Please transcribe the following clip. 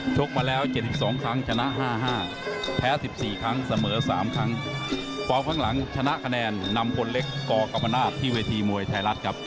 กมาแล้ว๗๒ครั้งชนะ๕๕แพ้๑๔ครั้งเสมอ๓ครั้งฟอร์มข้างหลังชนะคะแนนนำพลเล็กกกรรมนาศที่เวทีมวยไทยรัฐครับ